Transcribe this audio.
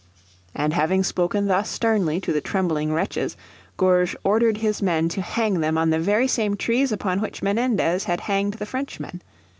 And having spoken thus sternly to the trembling wretches Gourges ordered his men to hang them on the very same trees upon which Menendez had hanged the Frenchmen.